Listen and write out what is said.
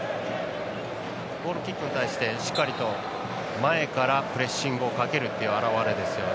ゴールキックに対してしっかりと前からプレッシングをかけるという表れですよね。